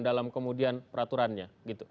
dalam kemudian peraturannya